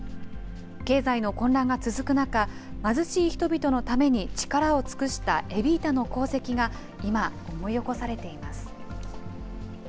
経済の混乱が続く中貧しい人々のために力を尽くしたエビータの功績が今、思い起こされています。